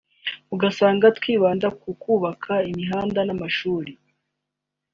ugasanga twibanda ku kubaka imihanda n’amashuri